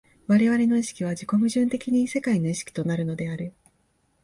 我々の意識は自己矛盾的に世界の意識となるのである。